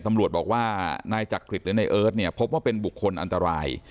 ตำรวจบอกว่านายจักริตหรือในเอิร์ทเนี่ยพบว่าเป็นบุคคลอันตราย